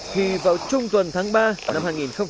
thì vào trung tuần tháng ba năm hai nghìn một mươi chín